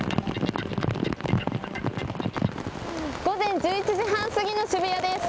午前１１時半過ぎの渋谷です。